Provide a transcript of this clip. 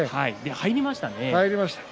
入りましたね。